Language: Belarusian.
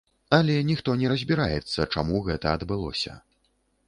Але ніхто не разбіраецца, чаму гэта адбылося.